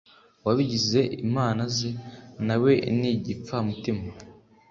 Uwabigize imana ze, na we ni igipfamutima!